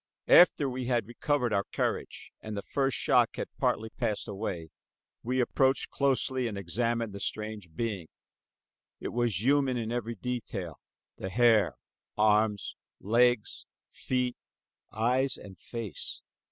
After we had recovered our courage and the first shock had partly passed away, we approached closely and examined the strange being. It was human in every detail, the hair, arms, legs, feet, eyes and face.